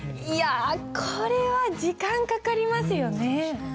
いやこれは時間かかりますよね。